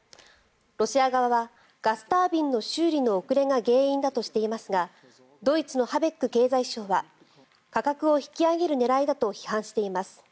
ロシア側はガスタービンの修理の遅れが原因だとしていますがドイツのハベック経済相は価格を引き上げる狙いだと批判しています。